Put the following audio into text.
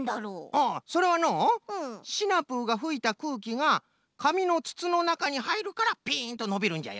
ああそれはのうシナプーがふいたくうきがかみのつつのなかにはいるからピンとのびるんじゃよ。